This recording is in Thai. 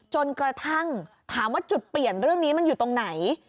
จนกระทั่งถามว่าจุดเปลี่ยนเรื่องนี้มันอยู่ตรงไหน